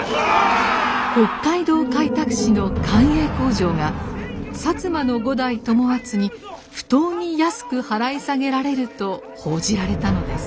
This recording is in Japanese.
北海道開拓使の官営工場が摩の五代友厚に不当に安く払い下げられると報じられたのです。